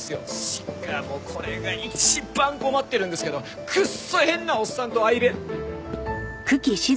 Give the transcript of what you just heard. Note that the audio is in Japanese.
しかもこれが一番困ってるんですけどクッソ変なおっさんと相部屋。